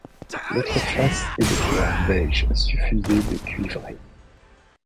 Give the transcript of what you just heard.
L'autre face est de couleur beige suffusé de cuivré.